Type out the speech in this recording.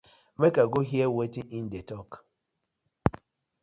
Mak I go heaar wetin im dey tok.